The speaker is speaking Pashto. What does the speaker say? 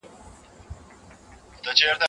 دا علم په ورځني ژوند کي مهم دی.